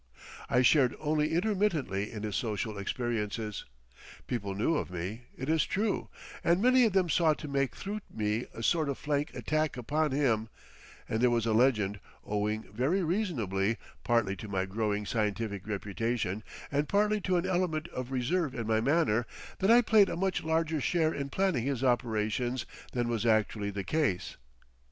I shared only intermittently in his social experiences. People knew of me, it is true, and many of them sought to make through me a sort of flank attack upon him, and there was a legend, owing, very unreasonably, partly to my growing scientific reputation and partly to an element of reserve in my manner, that I played a much larger share in planning his operations than was actually the case.